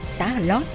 xã hà lót